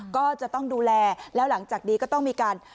ก็จะต้องดูแลแล้วหลังจากนี้ก็ต้องมีการ